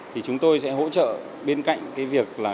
thì chúng tôi sẽ hỗ trợ bên cạnh cái việc là